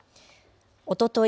おととい